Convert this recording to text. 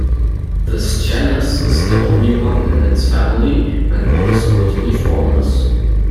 This genus is the only one in its family and order Squatiniformes.